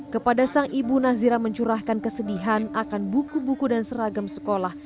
kepada sang ibu nazira mencurahkan kesedihan akan buku buku dan seragam sekolah